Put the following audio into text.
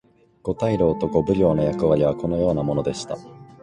五大老と五奉行の役割はこのようなものでした。